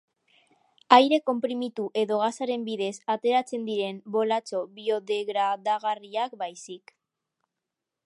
Aire konprimitu edo gasaren bidez ateratzen diren bolatxo biodegradagarriak baizik.